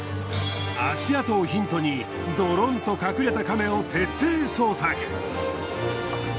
足跡をヒントにドロンと隠れたカメを徹底捜索。